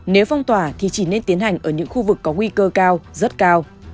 nếu phong tỏa thì chỉ nên tiến hành ở những khu vực có nguy cơ cao rất cao